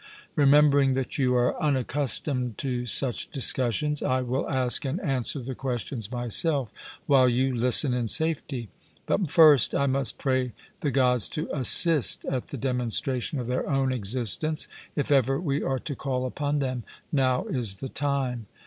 Remembering that you are unaccustomed to such discussions, I will ask and answer the questions myself, while you listen in safety. But first I must pray the Gods to assist at the demonstration of their own existence if ever we are to call upon them, now is the time.